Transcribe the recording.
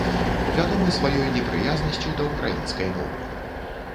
Вядомы сваёй непрыязнасцю да ўкраінскай мовы.